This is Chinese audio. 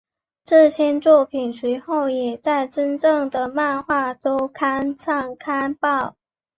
这些作品随后也在真正的漫画周刊上刊登。